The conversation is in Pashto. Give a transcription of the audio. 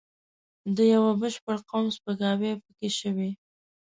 د یوه بشپړ قوم سپکاوی پکې شوی.